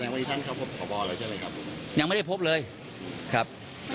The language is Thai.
หรือท่านเขาพบพรบแล้วใช่ไหมครับยังไม่ได้พบเลยครับ